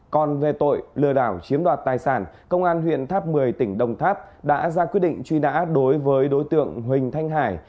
còn về tội lừa đảo chiếm đoạt tài sản công an huyện tháp một mươi tỉnh đồng tháp đã ra quyết định truy nã đối với đối tượng huỳnh thanh hải